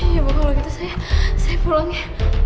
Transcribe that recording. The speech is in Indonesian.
ya kalau begitu saya pulang ya